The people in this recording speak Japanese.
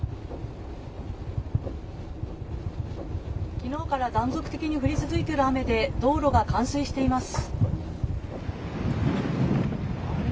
昨日から断続的に降り続いている雨で道路が冠水しています。